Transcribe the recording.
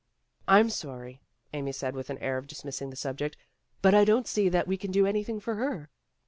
"I'm sorry," Amy said, with an air of dis missing the subject. "But I don't see that we can do anything for her.